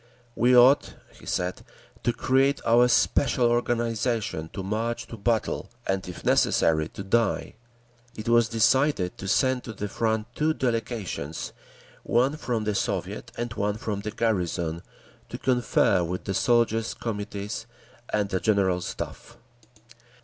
"We ought," he said, "to create our special organisation to march to battle, and if necessary to die…." It was decided to send to the front two delegations, one from the Soviet and one from the garrison, to confer with the Soldiers' Committees and the General Staff.